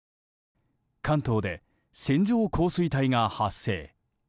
関東で線状降水帯が発生。